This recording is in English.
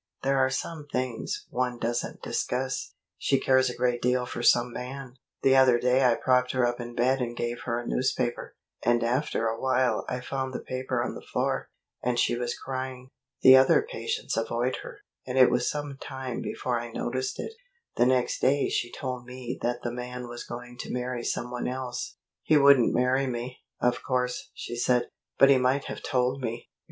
There are some things one doesn't discuss. She cares a great deal for some man. The other day I propped her up in bed and gave her a newspaper, and after a while I found the paper on the floor, and she was crying. The other patients avoid her, and it was some time before I noticed it. The next day she told me that the man was going to marry some one else. 'He wouldn't marry me, of course,' she said; 'but he might have told me.'"